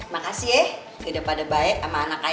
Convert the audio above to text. makasih ya hidup pada baik sama anak kaya